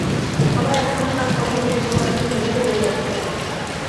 সবাই একসঙ্গে কাজ করলে আমরা এ সমস্যা থেকে নিশ্চয়ই বেরিয়ে আসতে পারব।